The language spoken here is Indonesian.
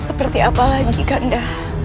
seperti apa lagi kanda